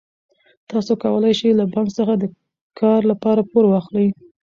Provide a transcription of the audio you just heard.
تاسو کولای شئ له بانک څخه د کار لپاره پور واخلئ.